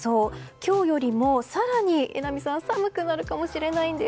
今日よりも更に、榎並さん寒くなるかもしれないんです。